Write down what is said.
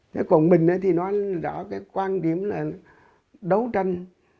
thế còn mình thì nói rõ cái quan điểm là đấu tranh